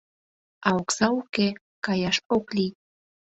А окса уке — каяш ок лий.